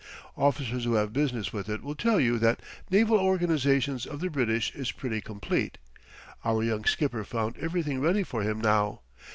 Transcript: Officers who have business with it will tell you that the naval organization of the British is pretty complete. Our young skipper found everything ready for him now.